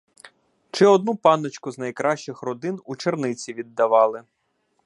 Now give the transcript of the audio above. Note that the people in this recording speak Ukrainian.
Чи одну панночку з найкращих родин у черниці віддавали.